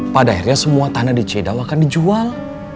pada akhirnya semua tanah di cidau akan dijual